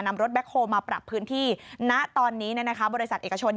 รถแคคโฮลมาปรับพื้นที่ณตอนนี้บริษัทเอกชน